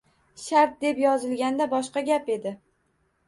Shart deb yozilganda boshqa gap edi.